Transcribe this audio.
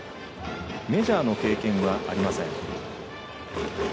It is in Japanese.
メジャーの経験はありません。